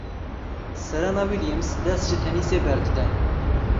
Serena Williams dest ji tenîsê berdide.